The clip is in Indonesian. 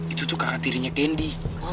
itu tuh kakak tirinya kendi